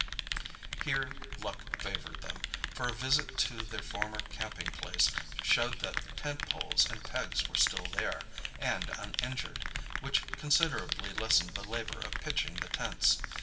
Here luck favoured them, for a visit to their former camping place showed that tent poles and pegs were still there, and uninjured—which considerably lessened the labour of pitching the tents.